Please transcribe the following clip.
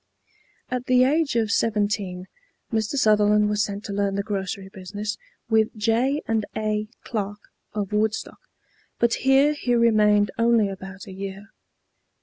At the age of seventeen Mr. Sutherland was sent to learn the grocery business with J. & A. Clark, of Woodstock; but here he remained only about a year.